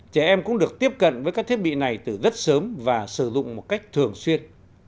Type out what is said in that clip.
trẻ em cũng được tiếp cận với các thiết bị này từ rất sớm và sử dụng một cách thường xuyên